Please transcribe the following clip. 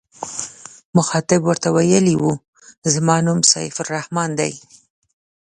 مخاطب ورته ویلي و زما نوم سیف الرحمن دی.